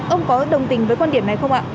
ông có đồng tình với quan điểm này không ạ